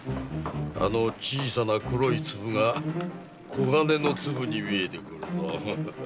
あの小さな黒い粒が黄金の粒に見えてくるぞ。